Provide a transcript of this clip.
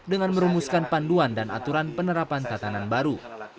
dengan merumuskan panduan dan aturan penerapan tatanan baru